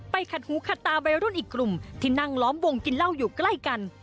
ขัดหูขัดตาวัยรุ่นอีกกลุ่มที่นั่งล้อมวงกินเหล้าอยู่ใกล้กัน